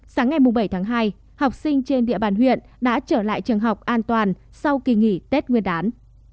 sáng ngày bảy tháng hai học sinh trên địa bàn huyện đã trở lại trường học an toàn sau kỳ nghỉ tết nguyên đán